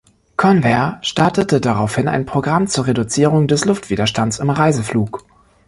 Convair startete daraufhin ein Programm zur Reduzierung des Luftwiderstands im Reiseflug.